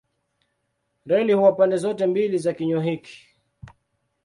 Reli huwa pande zote mbili za kinywa hiki.